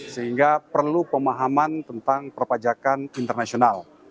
sehingga perlu pemahaman tentang perpajakan internasional